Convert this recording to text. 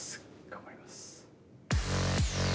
頑張ります。